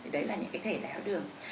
đấy là những cái thể đáy áo đường